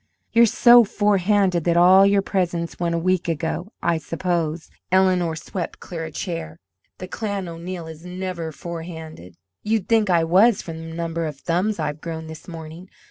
"You're so forehanded that all your presents went a week ago, I suppose," Eleanor swept clear a chair. "The clan O'Neill is never forehanded." "You'd think I was from the number of thumbs I've grown this morning.